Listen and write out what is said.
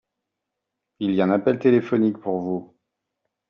Il y a un appel téléphonique pour vous.